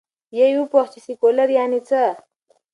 بیا یې وپوښت، چې سیکولر یعنې څه؟